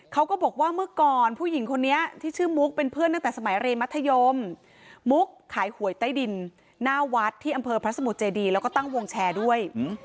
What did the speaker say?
เขาก็บอกว่าเมื่อก่อนผู้หญิงคนนี้ที่ชื่อมุกเป็นเพื่อนตั้งแต่สมัยเรียนมัธยมมุกขายหวยใต้ดินหน้าวัดที่อำเภอพระสมุทรเจดีแล้วก็ตั้งวงแชร์ด้วย